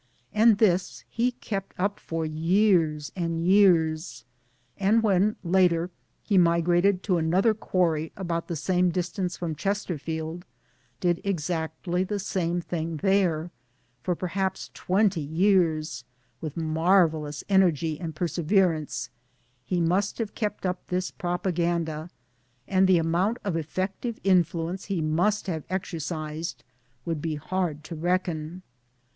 And this he kept up for years and years, and when later he migrated to another quarry about the same distance from Chesterfield did exactly the same thing there ; for perhaps twenty years, with marvellous energy and perseverance, he must have kept up this propaganda ; and the amount of effective influence he must have exercised would be hard to reckon.